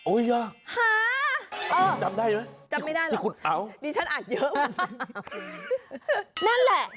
โอ้ยยากจำได้หรือจำไม่ได้หรอกนี่ฉันอ่านเยอะมากนั่นแหละ